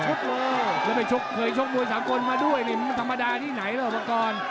แบบนี้ไปชุกเผยชุกมุย๓คนมาด้วยลิ้มทรัพย์มาธรรมดาที่ไหนแล้วปกรณ์